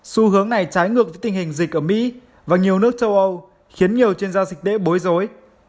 xu hướng này trái ngược với tình hình dịch ở mỹ và nhiều nước châu âu khiến nhiều chuyên gia dịch đệ bối rối